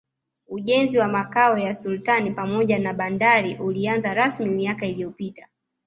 Ujenzi wa Makao ya Sultani pamoja na bandari ulianza rasmi miaka iliyopita